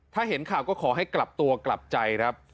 ถ้าเห็นข่าวก็ขอให้กลับตัวกลับใจครับ